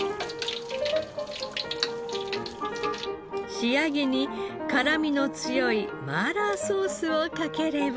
仕上げに辛みの強い麻辣ソースをかければ。